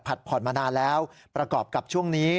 ผ่อนมานานแล้วประกอบกับช่วงนี้